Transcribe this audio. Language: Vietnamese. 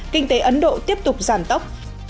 kinh tế ấn độ tiếp tục giảm tốc